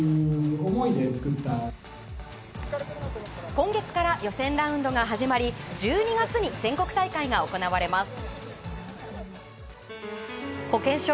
今月から予選ラウンドが始まり１２月に全国大会が行われます。